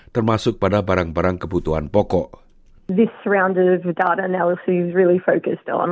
termasuk pada barang barang kebutuhan pokok